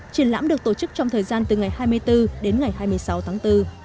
triển lãm được tổ chức trong thời gian từ ngày hai mươi bốn đến ngày hai mươi sáu tháng bốn